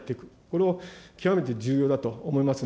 これは極めて重要だと思います。